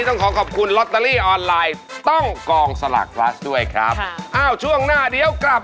เป็นคู่แข่งกับจิ้งหลีดขาว